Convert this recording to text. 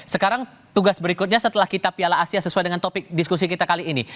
sekarang tugas berikutnya setelah kita piala asia sesuai dengan topik diskusi kita kali ini